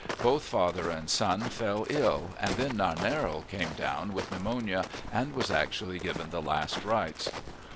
Both father and son fell ill, and then Nannerl came down with pneumonia and was actually given the last rites.